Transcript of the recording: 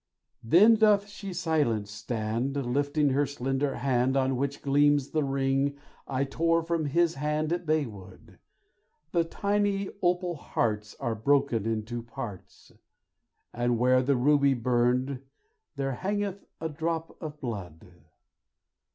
Then doth she silent stand, Lifting her slender hand, On which gleams the ring I tore from his hand at Baywood; The tiny opal hearts Are broken in two parts, And where the ruby burned there hangeth a drop of blood.